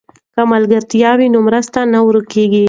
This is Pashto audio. که ملګرتیا وي نو مرسته نه ورکېږي.